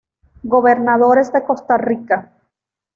Gobernadores de Costa Rica